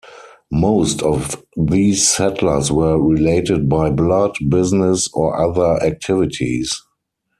Most of these settlers were related by blood, business or other activities.